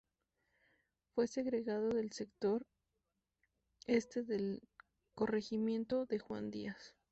Fue segregado del sector este del corregimiento de Juan Díaz.